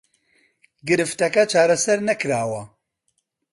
گرفتەکە چارەسەر نەکراوە